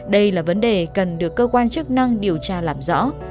đây là vấn đề cần được cơ quan chức năng điều tra làm rõ